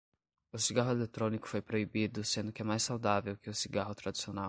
O cigarro eletrônico foi proibido sendo que é mais saudável que o cigarro tradicional